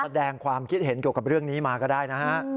แสดงความคิดเห็นเกี่ยวกับเรื่องนี้มาก็ได้นะฮะ